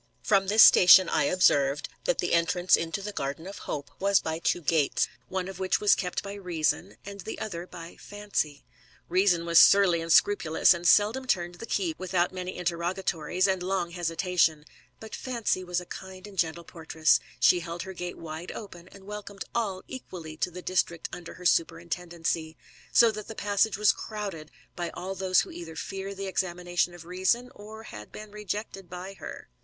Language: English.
From this station I observed, that the entrance into the garden of Hope was by two gates, one of which was kept by Reason, and the other by Fancy. Reason was surly and scrupulous, and seldom turned the key without many interrogatories, and long hesitation ; but Fancy was a kind and gentle portress, she held her gate wide open, and welcomed all equally to the district under her superintendency : so that the passage was crowded by all those who either fear the examination of Reason, or had been rejected by her.